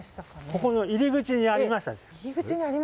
ここの入り口にありました。